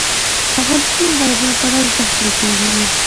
افغانستان کې د دریابونه په اړه زده کړه کېږي.